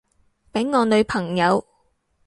畀我女朋友